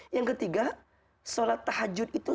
yang ketiga sholat tahajud itu